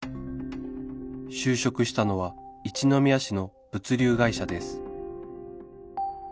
就職したのは一宮市の物流会社です